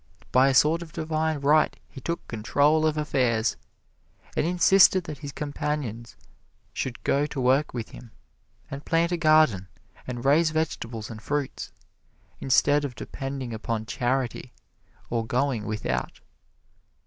By a sort of divine right he took control of affairs, and insisted that his companions should go to work with him, and plant a garden and raise vegetables and fruits, instead of depending upon charity or going without.